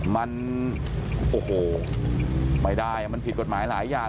มันโอ้โหไม่ได้มันผิดกฎหมายหลายอย่าง